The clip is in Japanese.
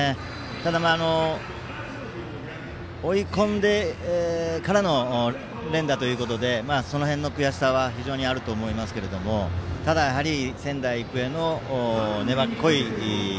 ただ、追い込んでからの連打ということでその辺の悔しさは非常にあると思いますけどただ、仙台育英の粘っこい